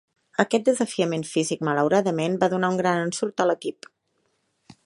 Aquest desafiament físic malauradament, va donar un gran ensurt a l'equip.